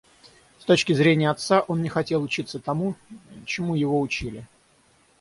С точки зрения отца, он не хотел учиться тому, чему его учили.